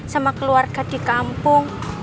sama keluarga di kampung